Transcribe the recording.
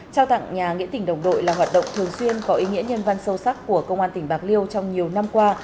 trao tặng nhà nghĩa tỉnh đồng đội là hoạt động thường xuyên có ý nghĩa nhân văn sâu sắc của công an tỉnh bạc liêu trong nhiều năm qua